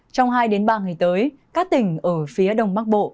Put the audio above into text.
trong hai ba ngày tới các tỉnh ở phía đông bắc bộ